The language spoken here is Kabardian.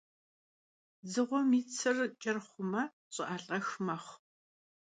Dzığuem yi tsır ç'ır xhume, ş'ı'elh'ex mexhu.